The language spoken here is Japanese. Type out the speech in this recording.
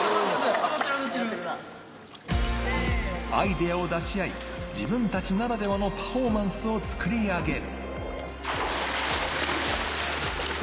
アイデアを出し合い、自分たちならではのパフォーマンスを作り上げる。